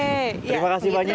terima kasih banyak